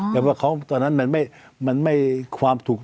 แต่ว่าเขาตอนนั้นมันไม่ความถูก